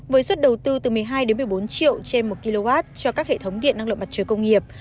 với suất đầu tư từ một mươi hai một mươi bốn triệu trên một kw cho các hệ thống điện năng lượng mặt trời công nghiệp